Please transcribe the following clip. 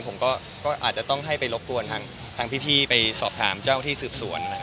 ผมก็อาจจะต้องให้ไปรบกวนทางพี่ไปสอบถามเจ้าที่สืบสวน